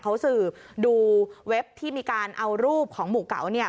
เขาสืบดูเว็บที่มีการเอารูปของหมู่เก๋าเนี่ย